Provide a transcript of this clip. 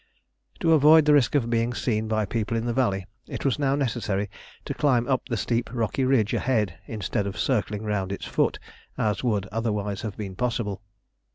To avoid the risk of being seen by people in the valley, it was now necessary to climb up the steep rocky ridge ahead instead of circling round its foot as would otherwise have been possible.